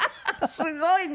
すごいな。